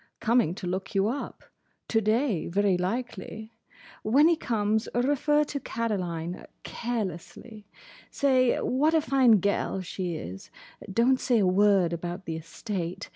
Coming to look you up. To day, very likely. When he comes, refer to Caroline—carelessly. Say what a fine gel she is. Don't say a word about the estate.